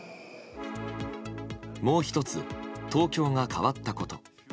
もう１つ、東京が変わったこと。